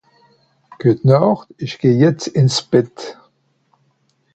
Gutnacht isch geh jetzt ins Bett